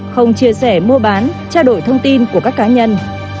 không chia sẻ mua bán trao đổi thông tin của các cá nhân